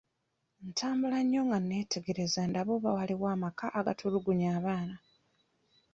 Ntambula nnyo nga neetegereza ndabe oba waliwo amaka agatulugunya abaana.